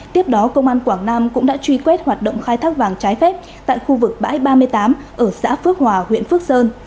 tiếp đó công an quảng nam cũng đã truy quét hoạt động khai thác vàng trái phép tại khu vực bãi ba mươi tám ở xã phước hòa huyện phước sơn